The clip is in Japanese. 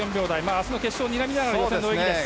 明日の決勝をにらみながらの予選の泳ぎです。